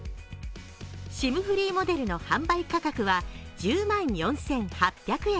ＳＩＭフリーモデルの販売価格は１０万４８００円。